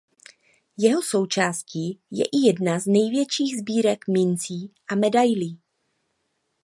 Jeho součástí je i jedna z největších sbírek mincí a medailí.